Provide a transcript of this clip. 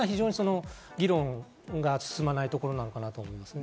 その辺が議論が進まないところなのかなと思います。